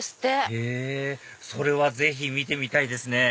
へぇそれはぜひ見てみたいですね